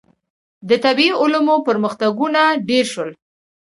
• د طبیعي علومو پرمختګونه ډېر شول.